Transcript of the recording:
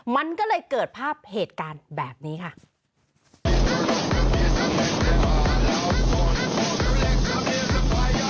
มันก็เลยเกิดภาพเหตุการณ์แบบนี้ค่ะ